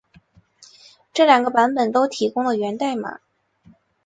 这两个版本都提供了源代码。